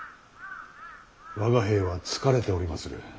我が兵は疲れておりまする。